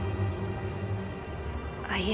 あっいえ